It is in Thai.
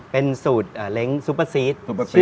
เป็นสูตรเล้งซุปเปอร์ซีส